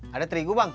ada terigu bang